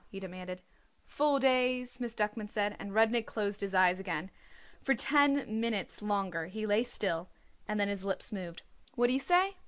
he demanded. "Four days," Miss Duckman said, and Rudnik closed his eyes again. For ten minutes longer he lay still and then his lips moved. "What did you say?"